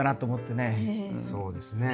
そうですね。